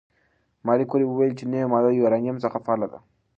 ماري کوري وویل چې نوې ماده د یورانیم څخه فعاله ده.